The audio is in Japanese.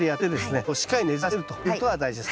根をしっかり根づかせるということが大事です。